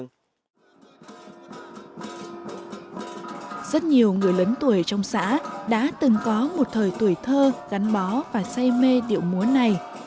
rất nhiều người lớn tuổi trong xã đã từng có một thời tuổi thơ gắn bó và say mê điệu múa này